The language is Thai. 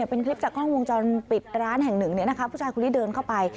เป็นคลิปจากกล้องวงจรปิดร้านแห่งหนึ่งผู้ชายคนนี้เดินเข้าไป